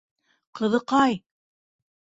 Ҡыҙыҡай!